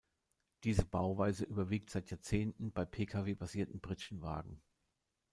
Diese Bauweise überwiegt seit Jahrzehnten bei Pkw-basierten Pritschenwagen.